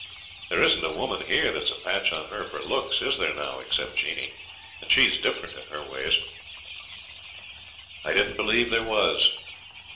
There isn't a woman here that's a patch on her for looks, is there now, except Jeanie, and she's different in her ways.' I didn't believe there was.